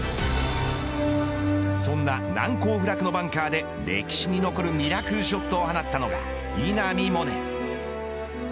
そんな難攻不落のバンカーで歴史に残るミラクルショットを放ったのが稲見萌寧。